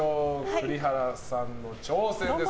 栗原さんの挑戦です。